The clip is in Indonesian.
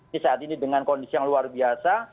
di saat ini dengan kondisi yang luar biasa